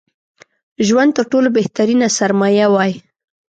ژوند تر ټولو بهترينه سرمايه وای